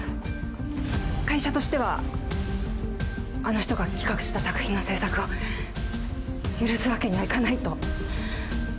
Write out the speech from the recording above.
会社としてはあの人が企画した作品の製作を許すわけにはいかないと。